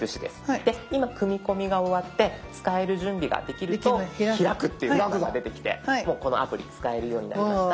今組み込みが終わって使える準備ができると「開く」っていうマークが出てきてもうこのアプリ使えるようになりました。